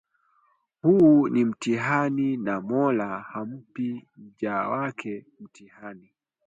huu ni mtihani na Mola hampi mja wake mtihani